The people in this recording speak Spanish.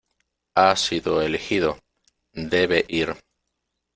Ha sido elegido. Debe ir .